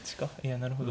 なるほど。